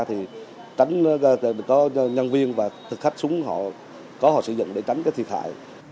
tránh nhân viên và thực khách súng họ có họ sử dụng để tránh thiệt hại